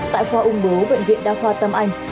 tại khoa ung bố bệnh viện đa khoa tâm anh